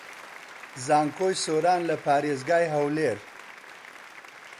زانکۆی سۆران لە پارێزگای هەولێر